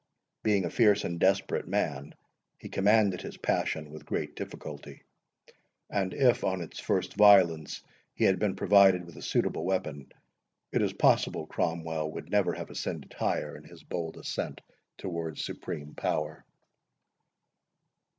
Being a fierce and desperate man, he commanded his passion with great difficulty; and if, on its first violence, he had been provided with a suitable weapon, it is possible Cromwell would never have ascended higher in his bold ascent towards supreme power.